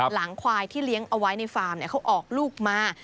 หลังควายที่เลี้ยงเอาไว้ในฟาร์มเขาออกลูกมา